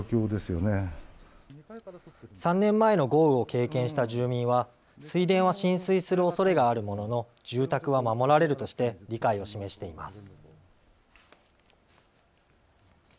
３年前の豪雨を経験した住民は水田は浸水するおそれがあるものの住宅は守られるとして理解を示しています。